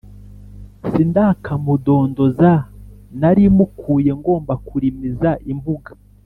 Sindakamudondoza, nalimukuye ngomba kulimiza imbuga,